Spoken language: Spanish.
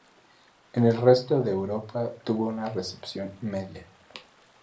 En el resto de Europa tuvo una recepción media.